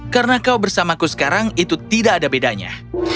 karena kau bersamaku sekarang itu tidak ada bedanya